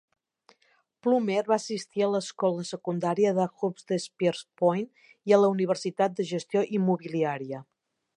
Plummer va assistir a l'escola secundària de Hurstpierpoint i a la Universitat de Gestió Immobiliària.